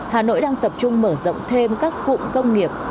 hà nội đang tập trung mở rộng thêm các cụm công nghiệp